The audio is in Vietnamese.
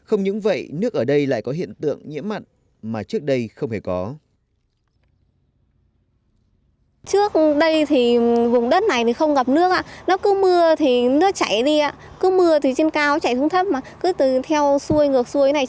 ở đây lại có hiện tượng nhiễm mặn mà trước đây không hề có